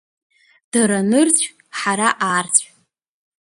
Дара нырцә, ҳара аарцә.